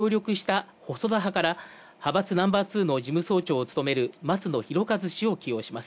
官房長官には総裁選で協力した細田派から派閥ナンバーツーの事務総長を務める松野博一氏を起用します。